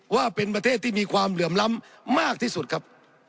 ว่าเป็นประเทศที่มีความเหลื่อมล้ำมากที่สุดครับ